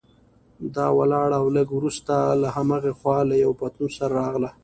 دا ولاړه او لږ وروسته له هماغې خوا له یوه پتنوس سره راغله.